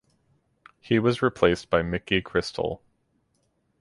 He was replaced by Micky Crystal.